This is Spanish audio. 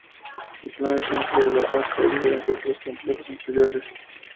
El plan del Templo de la Paz fue diferente a otros complejos anteriores.